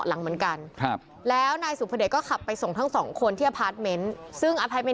เรื่องบรรดา